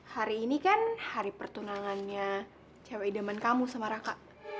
hari ini kan hari pertunangannya cewek zaman kamu sama raka